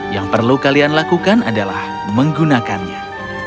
yang perlu kalian lakukan adalah menggunakannya